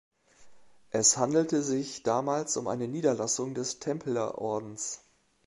Es handelte sich damals um eine Niederlassung des Templerordens.